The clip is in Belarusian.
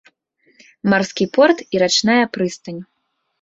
Марскі порт і рачная прыстань.